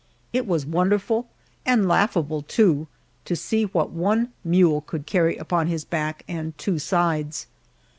It was wonderful, and laughable, too, to see what one mule could carry upon his back and two sides.